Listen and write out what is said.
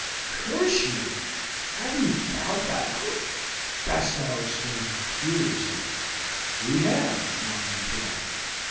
"Curse you! have you found that out?" Bastow exclaimed furiously. "We have," Mark replied.